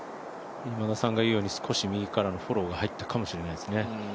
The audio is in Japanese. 今田さんが言うように少し右からのフォローが入ったかもしれないですね。